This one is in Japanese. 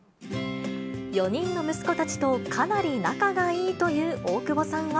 ４人の息子たちとかなり仲がいいという大久保さんは。